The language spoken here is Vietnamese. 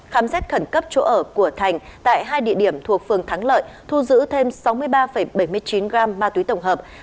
khám xét khẩn cấp chỗ ở của thành tại hai địa điểm thuộc phường thắng lợi thu giữ thêm sáu mươi ba bảy mươi chín gram ma túy tổng hợp